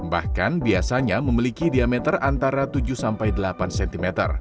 bahkan biasanya memiliki diameter antara tujuh sampai delapan cm